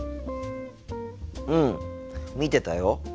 うん見てたよ。